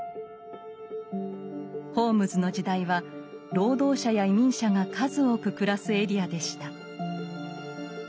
ホームズの時代は労働者や移民者が数多く暮らすエリアでした。